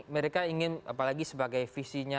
mereka ingin apalagi sebagai visinya